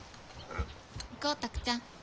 行こう拓ちゃん。